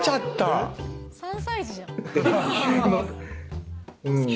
３歳児じゃん。